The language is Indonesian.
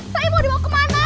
saya mau dibawa kemana